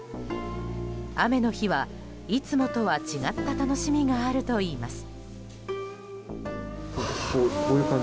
雨の日はいつもとは違った楽しみがあるといいます。